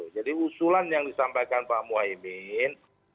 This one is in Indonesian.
jadi usulan yang disampaikan pak mohaimin